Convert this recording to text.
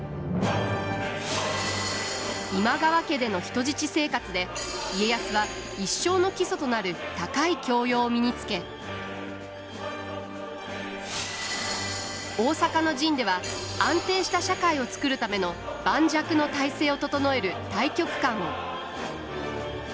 今川家での人質生活で家康は一生の基礎となる高い教養を身につけ大坂の陣では安定した社会を作るための盤石の体制を整える大局観を。